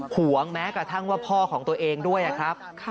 ห่วงแม้กระทั่งว่าพ่อของตัวเองด้วยครับ